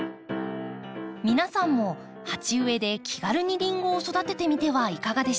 皆さんも鉢植えで気軽にリンゴを育ててみてはいかがでしょう？